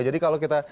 jadi kalau kita